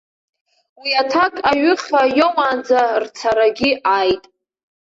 Уи аҭак аҩыха иоуаанӡа рцарагьы ааит.